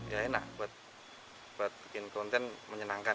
ya enak buat bikin konten menyenangkan